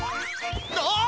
あっ。